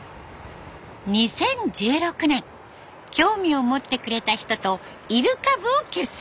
２０１６年興味を持ってくれた人とイルカ部を結成。